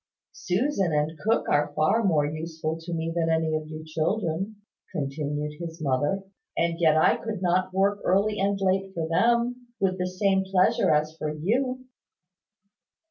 "Susan and cook are far more useful to me than any of you children," continued his mother, "and yet I could not work early and late for them, with the same pleasure as for you."